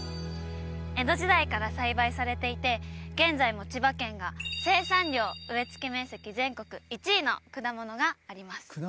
江戸時代から栽培されていて現在も千葉県が生産量植え付け面積全国１位の果物があります